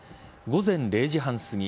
午前１０時半すぎ